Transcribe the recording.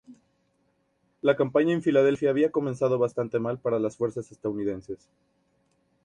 La campaña en Filadelfia había comenzado bastante mal para las fuerzas estadounidenses.